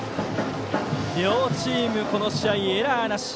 両チーム、この試合エラーなし。